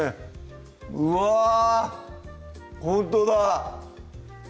うわぁほんとだ